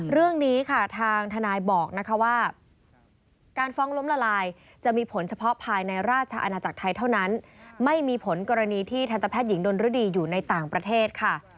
เรื่องนี้ค่ะทางทนายบอกนะคะว่าการฟ้องล้มละลายจะมีผลเฉพาะภายในราชอาณาจักรไทยเท่านั้นไม่มีผลกรณีที่ทันตแพทย์หญิงดนรดีอยู่ในต่างประเทศค่ะ